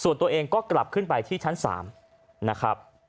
ส่วนตัวเองก็กลับขึ้นไปที่ชั้น๓นะครับ